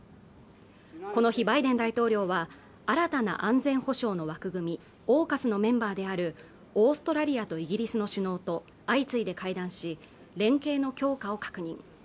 この日バイデン大統領は新たな安全保障の枠組みをＡＵＫＵＳのメンバーであるオーストラリアとイギリスの首脳と相次いで会談し連携の強化を確認